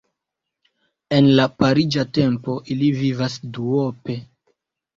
En la pariĝa tempo ili vivas duope.